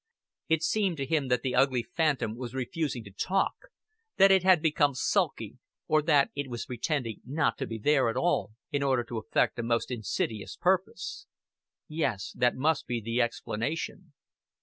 It seemed to him that the ugly phantom was refusing to talk, that it had become sulky, or that it was pretending not to be there at all in order to effect a most insidious purpose. Yes, that must be the explanation.